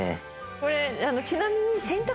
これちなみに。